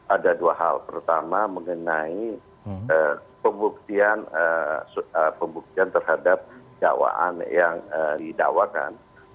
ada dua hal pertama mengenai pembuktian terhadap dakwaan yang didakwakan